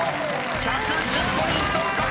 ［１１０ポイント獲得です！］